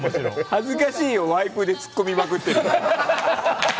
恥ずかしいよワイプでツッコミまくって。